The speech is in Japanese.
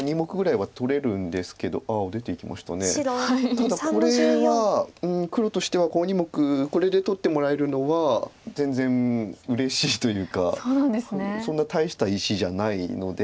ただこれは黒としてはこの２目これで取ってもらえるのは全然うれしいというかそんな大した石じゃないので。